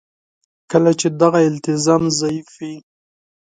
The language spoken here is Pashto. کله چې دغه التزام ضعیف وي.